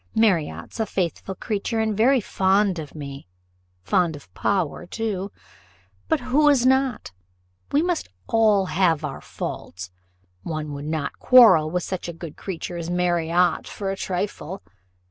Marriott's a faithful creature, and very fond of me; fond of power too but who is not? we must all have our faults: one would not quarrel with such a good creature as Marriott for a trifle."